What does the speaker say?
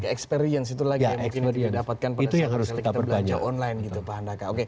experience itu lagi yang mungkin didapatkan pada saat kita belanja online gitu pak handaka